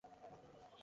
বাদ দেও, মা।